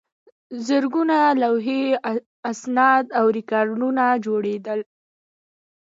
زرګونه لوحې، اسناد او ریکارډونه جوړېدل.